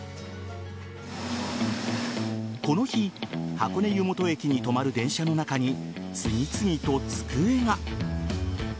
この日箱根湯本駅に止まる電車の中に次々と机が。